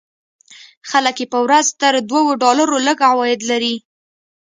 خلک یې په ورځ تر دوو ډالرو لږ عواید لري.